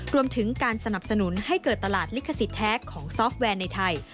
รวมถึงการสนับสนุนให้เกิดตลาดลิขสิทธิแท้ของซอฟต์แวนในไทย